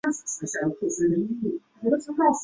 大牙的咬合面上凹陷的部位叫窝沟。